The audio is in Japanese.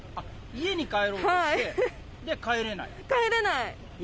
家に帰ろうとして、で、帰れない。